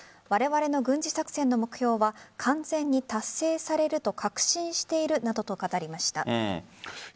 われわれの軍事作戦の目標は完全に達成されると確信しているなどと語りました。